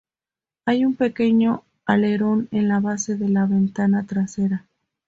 Hay un pequeño alerón en la base de la ventana trasera.